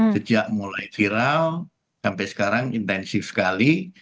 sejak mulai viral sampai sekarang intensif sekali